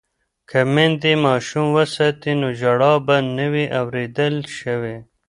که میندې ماشوم وساتي نو ژړا به نه وي اوریدل شوې.